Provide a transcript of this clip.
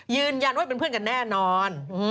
ยืนยันว่าเป็นเพื่อนกันแน่นอน